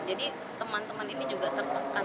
jadi teman teman ini juga tertekan